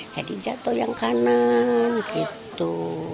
jatuh yang kanan gitu